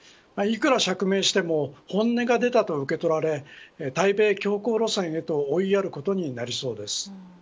幾ら釈明しても本音が出たと受け取られ対米強硬路線へとおいやることになりそうです。